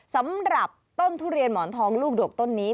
สำหรับต้นทุเรียนหมอนทองลูกดกต้นนี้